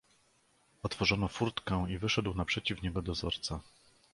"Otworzono furtkę i wyszedł naprzeciw niego dozorca."